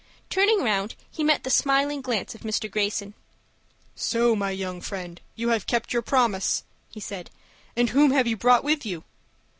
Turning round, he met the smiling glance of Mr. Greyson. "So, my young friend, you have kept your promise," he said. "And whom have you brought with you?"